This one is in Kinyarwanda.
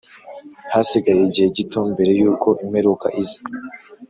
Hasigaye igihe gito mbere yuko imperuka iza